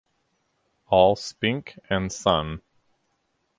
All Spink and Son.